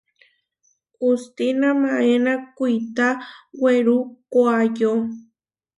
Hustína maéna kuitá werú koʼayó.